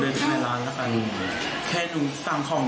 หนูก็ยืนงงเขาก็แอะมาเห็น